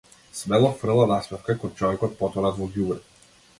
Смело фрла насмевка кон човекот потонат во ѓубре.